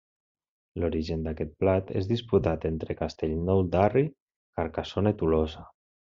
L'origen d'aquest plat és disputat entre Castellnou d'Arri, Carcassona i Tolosa.